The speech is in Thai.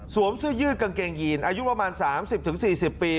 เสื้อยืดกางเกงยีนอายุประมาณ๓๐๔๐ปี